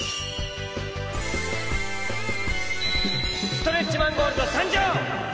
ストレッチマンゴールドさんじょう！